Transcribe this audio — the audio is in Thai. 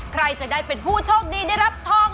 ใครจะได้เป็นผู้โชคดีได้รับทอง